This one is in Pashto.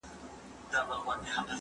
ایا ته منډه وهې!.